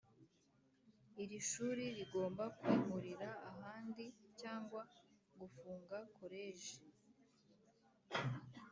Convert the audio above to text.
Iri shuri rigomba kwimurira ahandi cyangwa gufunga koleji